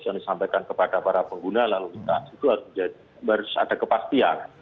yang disampaikan kepada para pengguna lalu lintas itu harus ada kepastian